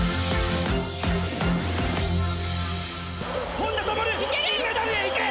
本多灯、銀メダルへいけ。